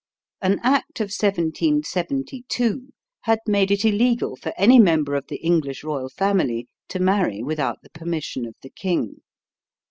An act of 1772 had made it illegal for any member of the English royal family to marry without the permission of the king.